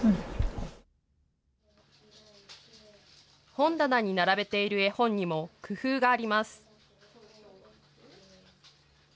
本棚に並べている絵本にも工夫があります。